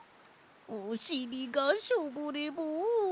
おしりがショボレボン。